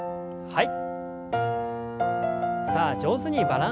はい。